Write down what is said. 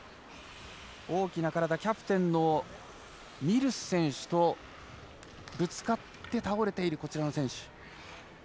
大きな体、キャプテンのミルス選手とぶつかって倒れている、こちらの選手。